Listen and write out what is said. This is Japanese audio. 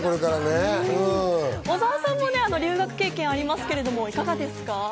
小澤さんも留学経験がありますけど、いかがですか？